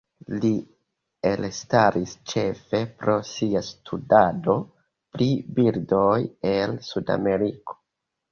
Li elstaris ĉefe pro sia studado pri birdoj el Sudameriko.